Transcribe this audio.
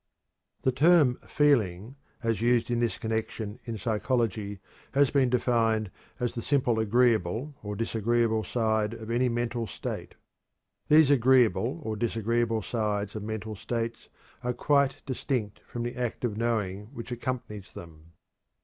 The term "feeling," as used in this connection in psychology, has been defined as "the simple agreeable or disagreeable side of any mental state." These agreeable or disagreeable sides of mental states are quite distinct from the act of knowing, which accompanies them.